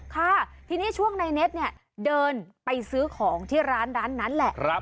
ค่ะทีนี้ช่วงนายเน็ตเดินไปซื้อของที่ร้านนั้นแหละ